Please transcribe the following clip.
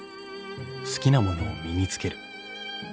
［好きなものを身に着ける］